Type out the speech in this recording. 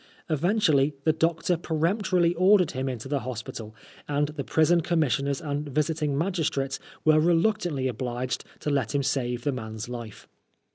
Eventually the doetor peremptorily ordered him into the hospital, and the Prison Commissioners and Visiting Magistrates were reluctantly obliged to let him save the man's life.